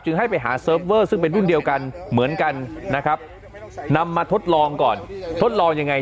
ให้ไปหาเซิร์ฟเวอร์ซึ่งเป็นรุ่นเดียวกันเหมือนกันนะครับนำมาทดลองก่อนทดลองยังไง